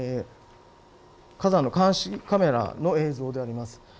火山の監視カメラの映像です。